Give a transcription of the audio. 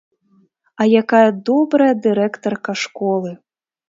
А якая добрая дырэктарка школы!